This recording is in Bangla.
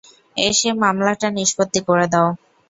এসে মামলাটা নিষ্পত্তি করে দাও।